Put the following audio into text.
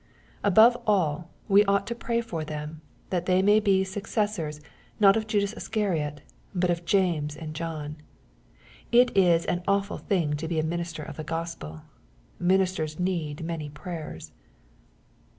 Above all, we ought to pray for fEem, that they may be successors not of Judas Iscariot, but of James and John. It is an awful thing to be a minister of the Gospel I Ministers need many prayers.